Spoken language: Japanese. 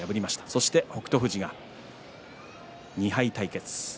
そして、北勝富士が２敗対決。